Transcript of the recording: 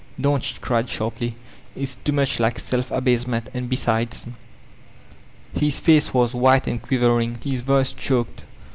"Don't," she cried sharply, "it's too much lil^ 8elf «base> ment And besides —*' His face was white and quivering, his voice dioked.